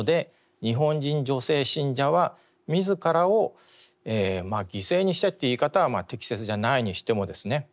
日本人女性信者は自らを犠牲にしてという言い方は適切じゃないにしてもですね